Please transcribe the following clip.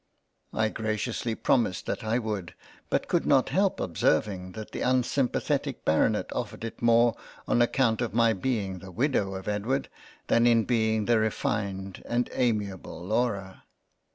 I graciously promised that I would, but could not help observing that the unsimpathetic Baronet offered it more on account of my being the Widow of Edward than in being the refined and amiable Laura.